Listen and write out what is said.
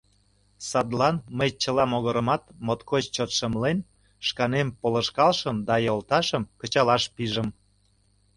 Садлан мый чыла могырымат моткоч чот шымлен, шканем полышкалышым да йолташым кычалаш пижым.